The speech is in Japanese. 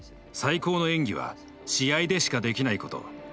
最高の演技は試合でしかできないこと。